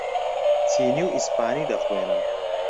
چینی و ئیسپانی دەخوێنم.